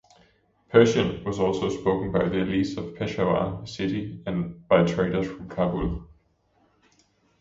Persian was also spoken by elites of Peshawar city and by traders from Kabul.